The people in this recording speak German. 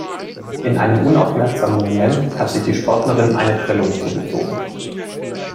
In einem unaufmerksamen Moment hat sich die Sportlerin eine Prellung zugezogen.